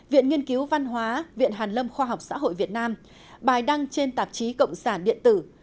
viện nghiên cứu văn hóa viện hàn lâm khoa học xã hội việt nam bài đăng trên tạp chí cộng sản điện tử